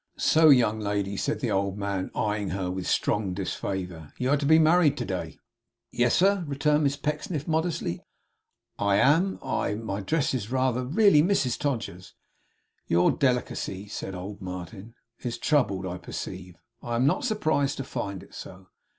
'So, young lady!' said the old man, eyeing her with strong disfavour. 'You are to be married to day!' 'Yes, sir,' returned Miss Pecksniff, modestly. 'I am. I my dress is rather really, Mrs Todgers!' 'Your delicacy,' said old Martin, 'is troubled, I perceive. I am not surprised to find it so.